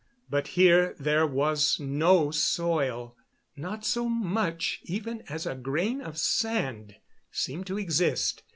But here there was no soil, not so much even as a grain of sand seemed to exist.